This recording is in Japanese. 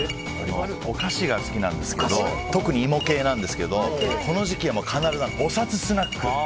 お菓子が好きなんですけど特に芋系なんですけどこの時期は必ずおさつスナック！